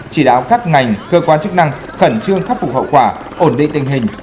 chỉ đáo các ngành cơ quan chức năng khẩn trương khắc phục hậu quả ổn định tình hình